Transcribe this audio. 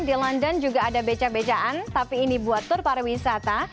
di london juga ada beca becaan tapi ini buat tur pariwisata